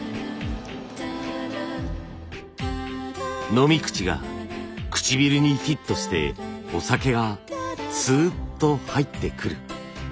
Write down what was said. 飲み口が唇にフィットしてお酒がスーッと入ってくる。